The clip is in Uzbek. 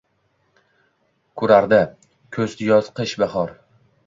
Koʻrardi: kuz, yoz, qish va bahor…